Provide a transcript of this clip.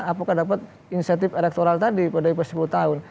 apakah dapat insentif elektoral tadi pdip sepuluh tahun